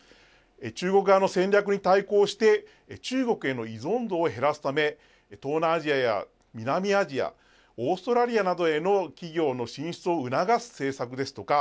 中国側の戦略に対抗して中国への依存度を減らすため東南アジアや南アジアオーストラリアなどへの企業の進出を促す政策ですとか